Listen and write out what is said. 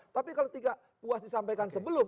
tapi kalau tidak puas disampaikan sebelum